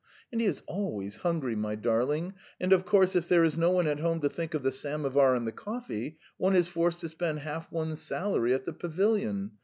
And he is always hungry, my darling, and of course, if there is no one at home to think of the samovar and the coffee, one is forced to spend half one's salary at the pavilion.